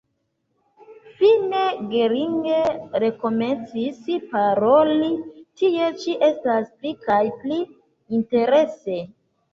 Fine Gering rekomencis paroli: « Tie ĉi estas pli kaj pli interese ».